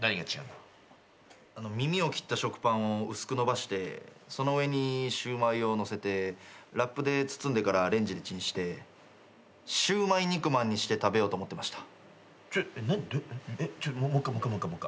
だから耳を切った食パンを薄く延ばしてその上にシューマイをのせてラップで包んでレンジでチンしてシューマイ肉まんにして食べようと思ってました。